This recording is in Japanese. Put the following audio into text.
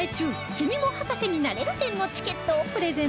「君も博士になれる展」のチケットをプレゼント